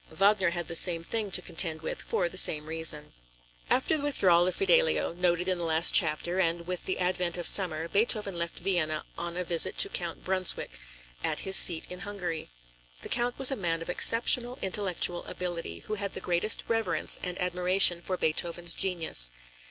Wagner had the same thing to contend with for the same reason. After the withdrawal of Fidelio, noted in the last chapter, and with the advent of summer, Beethoven left Vienna on a visit to Count Brunswick, at his seat in Hungary. The Count was a man of exceptional intellectual ability, who had the greatest reverence and admiration for Beethoven's genius.